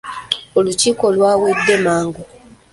Olukiiko lwawedde mangu.